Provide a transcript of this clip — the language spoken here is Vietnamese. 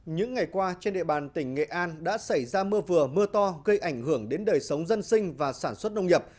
những ngày qua trên địa bàn tỉnh nghệ an đã xảy ra mưa vừa mưa to gây ảnh hưởng đến đời sống dân sinh và sản xuất nông nghiệp